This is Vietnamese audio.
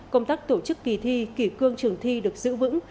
công tác tổ chức kỳ thi kỷ cương trường thi được giữ vững